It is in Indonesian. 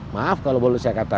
maaf kalau boleh saya katakan